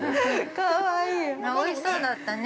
◆かわいい◆おいしそうだったね。